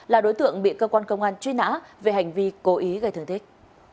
là đối tượng bị cơ quan công an truy nã về hành vi cố ý gây thương tích